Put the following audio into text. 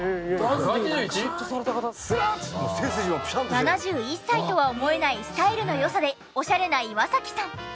７１歳とは思えないスタイルの良さでオシャレな岩崎さん。